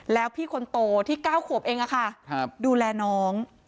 แล้วพี่คนโตที่๙ขวบเองดูแลน้อง